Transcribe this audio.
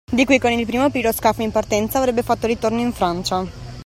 Di qui, col primo piroscafo in partenza, avrebbe fatto ritorno in Francia.